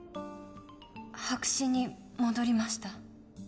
白紙に戻りました。